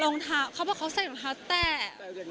รองเท้าเขาบอกว่าเขาใส่รองเท้าแตะ